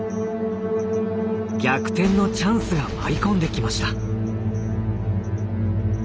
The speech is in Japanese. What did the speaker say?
逆転のチャンスが舞い込んできました。